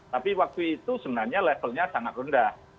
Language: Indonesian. tapi waktu itu sebenarnya levelnya sangat rendah